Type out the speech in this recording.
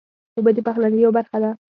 اوبه د پخلنځي یوه برخه ده.